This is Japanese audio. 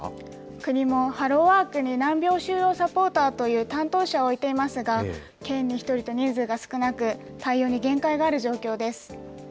国もハローワークに難病就労サポーターという担当者を置いていますが、県に１人と人数が少なく、対応に限界がある状況です。